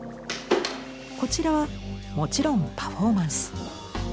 こちらはもちろんパフォーマンス。